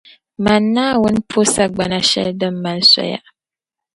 Mani Naawuni po sagbana shɛli din mali soya.